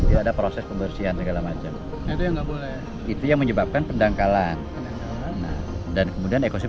jadi ada proses pembersihan segala macam